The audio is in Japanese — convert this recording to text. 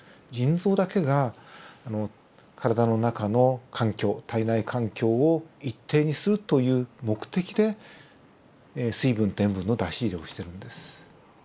腎臓だけが体の中の環境体内環境を一定にするという目的で水分と塩分の出し入れをしてるんです。